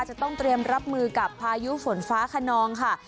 จะต้องเตรียมรับมือกับพายุฝนฟ้าขนองค่ะ